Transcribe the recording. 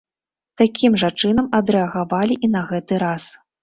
Такім жа чынам адрэагавалі і на гэты раз.